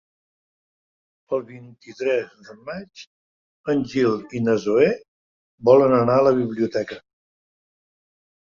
El vint-i-tres de maig en Gil i na Zoè volen anar a la biblioteca.